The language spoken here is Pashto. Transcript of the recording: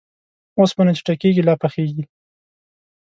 اوسپنه چې ټکېږي ، لا پخېږي.